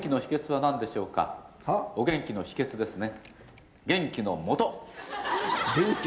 お元気の秘訣ですね